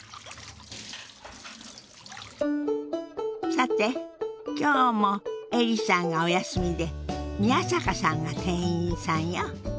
さて今日もエリさんがお休みで宮坂さんが店員さんよ。